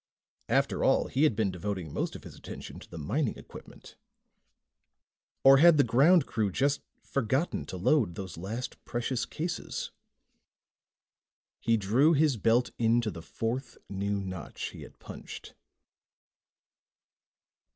After all, he had been devoting most of his attention to the mining equipment. Or had the ground crew just forgotten to load those last precious cases? He drew his belt in to the fourth new notch he had punched.